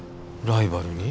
ライバルに？